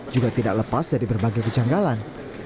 juga tidak lepas dari berbagai kejanggalan